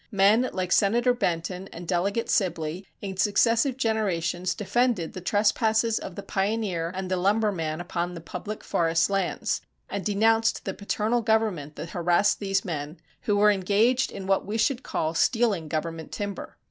Men like Senator Benton and Delegate Sibley in successive generations defended the trespasses of the pioneer and the lumberman upon the public forest lands, and denounced the paternal government that "harassed" these men, who were engaged in what we should call stealing government timber.